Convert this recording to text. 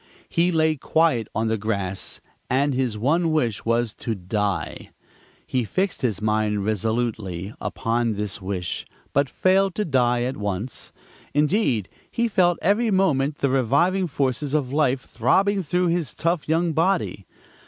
He lay quiet on the grass, and his one wish was to die. He fixed his mind resolutely upon this wish, but failed to die at once; indeed he felt every moment the reviving forces of life throbbing through his tough young body.